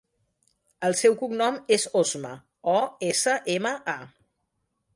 El seu cognom és Osma: o, essa, ema, a.